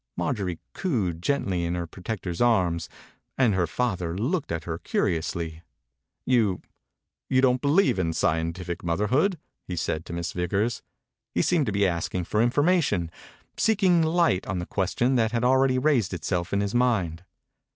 Marjorie cooed gently in her protector's arms, and her father looked at her curiously. « You — you don't believe in scientific motherhood ?" he said to Miss Vickers. He seemed to be asking for information; seeking light on a question that had already raised itself in his mind.